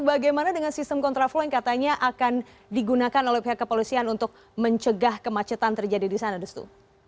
bagaimana dengan sistem kontraflow yang katanya akan digunakan oleh pihak kepolisian untuk mencegah kemacetan terjadi di sana destu